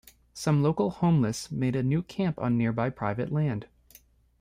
Some local homeless made a new camp on nearby private land.